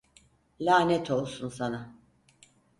Lanet olsun sana!